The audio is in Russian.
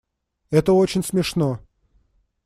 Это очень смешно.